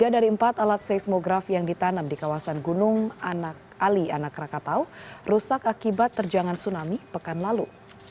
tiga dari empat alat seismograf yang ditanam di kawasan gunung anak ali anak rakatau rusak akibat terjangan tsunami pekan lalu